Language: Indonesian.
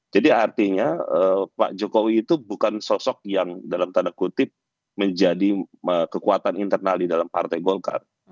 jadi artinya pak jokowi itu bukan sosok yang dalam tanda kutip menjadi kekuatan internal di dalam partai golkar